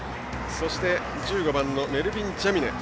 そして１５番のメルヴィン・ジャミネ。